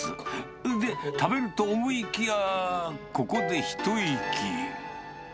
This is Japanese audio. それで、食べると思いきや、ここでひと息。